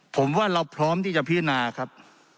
ผมว่าเราพร้อมที่จะพิจารณาครับ